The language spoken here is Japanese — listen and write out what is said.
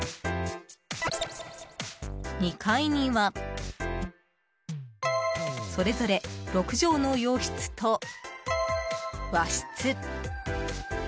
２階にはそれぞれ６畳の洋室と和室。